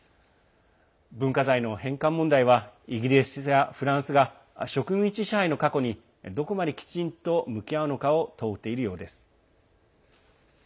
文化財の返還問題はイギリスやフランスが植民地支配の過去にどこまできちんと向き合うのかを問うているようです。